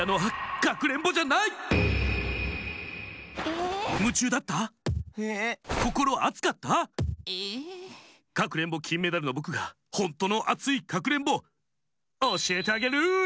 「かくれんぼきんメダル」のぼくがほんとのアツイかくれんぼおしえてあげる！